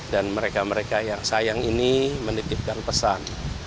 dan mereka mereka yang sayang ini menitipkan pesan